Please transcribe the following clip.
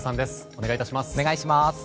お願いします。